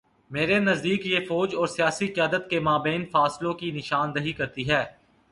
میرے نزدیک یہ فوج اور سیاسی قیادت کے مابین فاصلوں کی نشان دہی کرتی ہے۔